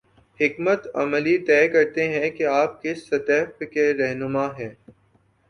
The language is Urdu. حکمت عملی طے کرتی ہے کہ آپ کس سطح کے رہنما ہیں۔